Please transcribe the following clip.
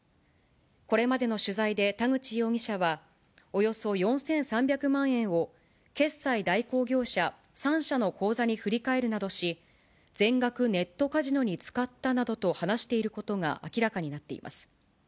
これまでの取材で田口容疑者は、およそ４３００万円を決済代行業者３社の口座に振り替えるなどし、全額ネットカジノに使ったなどと話していることが明らかになっています。